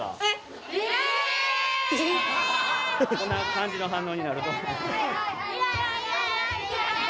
こんな感じの反応になると。